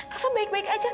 kafa baik baik aja kan